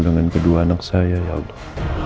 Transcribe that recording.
dengan kedua anak saya ya allah